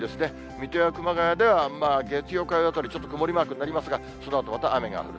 水戸や熊谷では月曜、火曜あたり、ちょっと曇りマークになりますが、そのあとまた雨が降る。